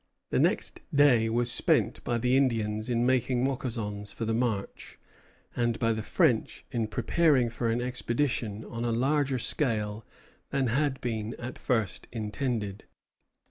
The next day was spent by the Indians in making moccasons for the march, and by the French in preparing for an expedition on a larger scale than had been at first intended.